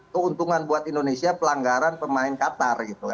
keuntungan buat indonesia pelanggaran pemain qatar gitu